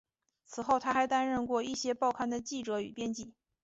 此后他还曾担任过一些报刊的记者与编辑。